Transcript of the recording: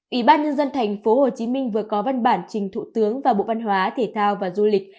ủy ban nhân dân thành phố hồ chí minh vừa có văn bản trình thủ tướng và bộ văn hóa thể thao và du lịch